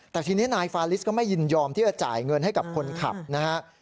แต่ทีนี้นายฟาลิสก็ไม่ยินยอมที่จะจ่ายเงินให้กับคนขับนะฮะ